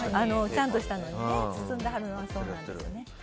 ちゃんとしたのに包んではるのもそうですね。